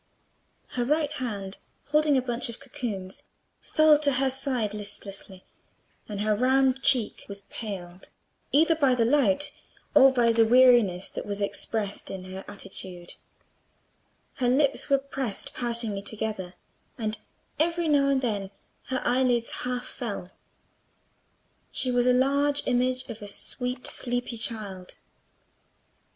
Her right hand, holding a bunch of cocoons, fell by her side listlessly, and her round cheek was paled, either by the light or by the weariness that was expressed in her attitude: her lips were pressed poutingly together, and every now and then her eyelids half fell: she was a large image of a sweet sleepy child.